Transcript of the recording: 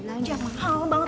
lainnya mahal banget